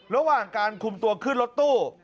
ระหว่างการคุมตัวขึ้นรถตู้